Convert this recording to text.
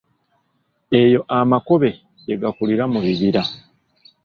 Eyo amakobe gye gakulira mu bibira.